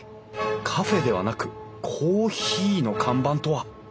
カフェではなくコーヒーの看板とは。